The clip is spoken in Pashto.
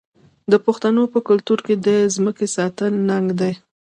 د پښتنو په کلتور کې د ځمکې ساتل ننګ دی.